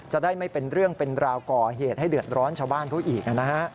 จะได้ไม่เป็นเรื่องเป็นราวก่อเหตุให้เดือดร้อนชาวบ้านเขาอีกนะฮะ